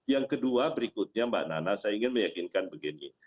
yang kedua berikutnya mbak nana saya ingin meyakinkan begini